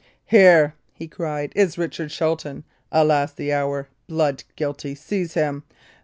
"Here," he cried, "is Richard Shelton alas the hour! blood guilty! Seize him!